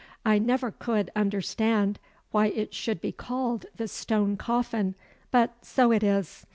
I never could understand why it should be called the 'Stone Coffin' but so it is.